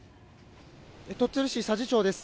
鳥取市佐治町です。